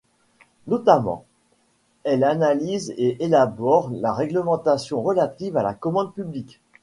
Notamment, elle analyse et élabore la réglementation relative à la commande publique.